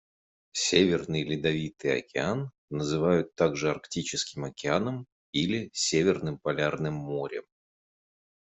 Северный Ледовитый Океан называют также Арктическим Океаном или Северным Полярным Морем.